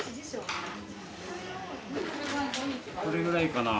これぐらいかな。